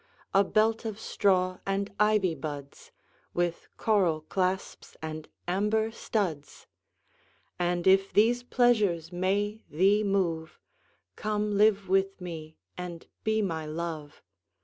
A belt of straw and ivy buds With coral clasps and amber studs: And if these pleasures may thee move, Come live with me and be my Love.